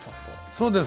そうです。